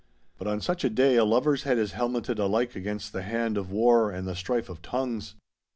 But on such a day a lover's head is helmeted alike against the hand of war and the strife of tongues.